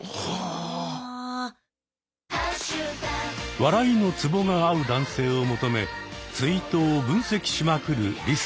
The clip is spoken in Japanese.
笑いのツボが合う男性を求めツイートを分析しまくるリス子さん。